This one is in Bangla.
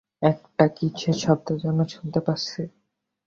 একটা কিসের শব্দ যেন শুনতে পাচ্ছি।